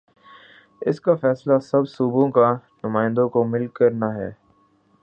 اس کا فیصلہ سب صوبوں کے نمائندوں کو مل کر نا ہے۔